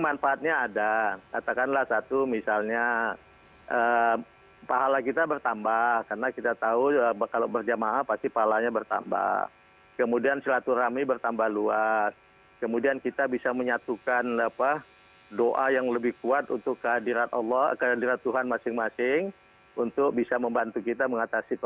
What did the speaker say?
manfaatnya ada katakanlah satu misalnya pahala kita bertambah karena kita tahu kalau berjamaah